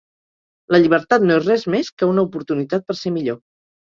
La llibertat no és res més que una oportunitat per ser millor.